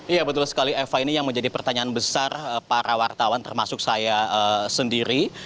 iya betul sekali eva ini yang menjadi pertanyaan besar para wartawan termasuk saya sendiri